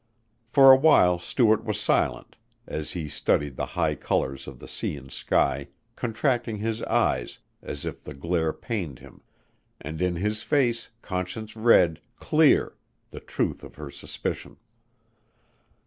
For a while Stuart was silent, as he studied the high colors of the sea and sky, contracting his eyes as if the glare pained them, and in his face Conscience read, clear, the truth of her suspicion.